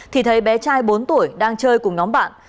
thì thấy bé trai bốn tuổi đang chơi cùng nhóm bạn